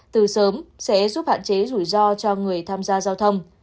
từ sớm sẽ giúp hạn chế rủi ro cho người tham gia giao thông